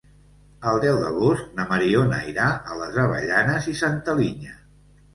El deu d'agost na Mariona irà a les Avellanes i Santa Linya.